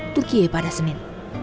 tukie pada senin